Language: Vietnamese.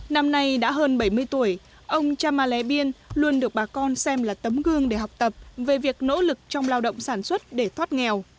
năm nay đã hơn bảy mươi tuổi ông chama lé biên luôn được bà con xem là tấm gương để học tập về việc nỗ lực trong lao động sản xuất để thoát nghèo